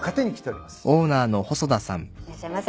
いらっしゃいませ。